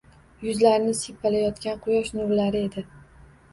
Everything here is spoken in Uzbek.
Yuzlarini siypalayotgan quyosh nurlari edi.